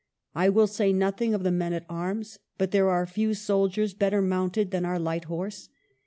I will say nothing of the men at arms ; but there are few soldiers better mounted than our light horse.